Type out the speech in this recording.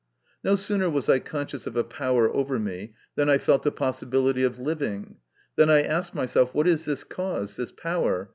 No sooner was I conscious of a power over me than I felt a possibility of living. Then I asked myself :" What is this cause, this power?